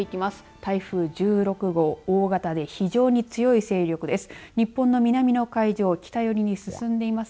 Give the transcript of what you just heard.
台風１６号大型で非常に強い勢力です。